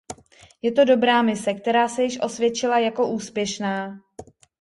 Je to dobrá mise, která se již osvědčila jako úspěšná.